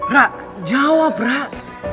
rak jawab rak